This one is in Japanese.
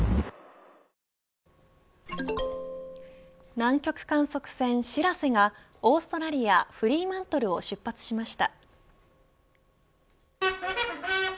南極観測船しらせがオーストラリアフリーマントルを出発しました。